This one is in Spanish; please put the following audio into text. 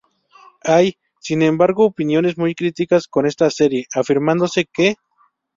Hay, sin embargo, opiniones muy críticas con esta serie, afirmándose que